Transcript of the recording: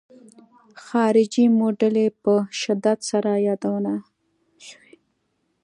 خارجي موډل یې په شدت سره یادونه شوې.